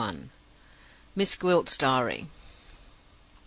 MISS GWILT'S DIARY.